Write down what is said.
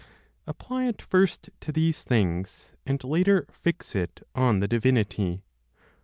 Apply it first to these things, and later fix it on the divinity.